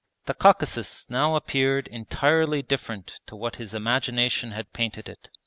The Caucasus now appeared entirely different to what his imagination had painted it.